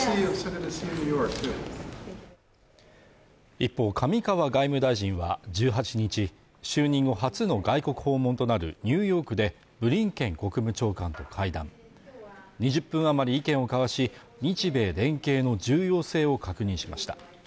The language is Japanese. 一方上川外務大臣は１８日就任後初の外国訪問となるニューヨークでブリンケン国務長官と会談２０分余り意見を交わし日米連携の重要性を確認しました